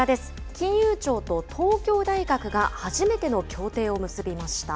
金融庁と東京大学が初めての協定を結びました。